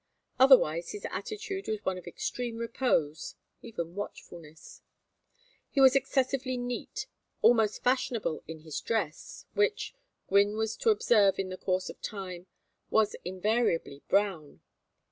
Otherwise his attitude was one of extreme repose, even watchfulness. He was excessively neat, almost fashionable in his dress, which Gwynne was to observe in the course of time was invariably brown.